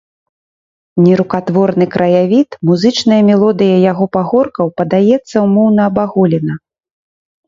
Нерукатворны краявід, музычная мелодыя яго пагоркаў падаецца ўмоўна-абагульнена.